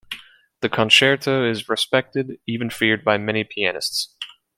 The concerto is respected, even feared, by many pianists.